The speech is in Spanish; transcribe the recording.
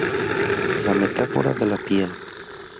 La metáfora de la piel